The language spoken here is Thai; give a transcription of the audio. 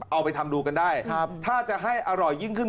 เอาไปทำดูกันได้ถ้าจะให้อร่อยยิ่งขึ้น